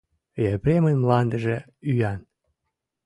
Епремын мландыже ӱян.